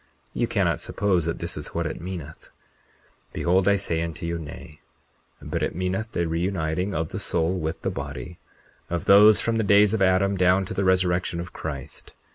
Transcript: Ye cannot suppose that this is what it meaneth. 40:18 Behold, I say unto you, Nay; but it meaneth the reuniting of the soul with the body, of those from the days of Adam down to the resurrection of Christ.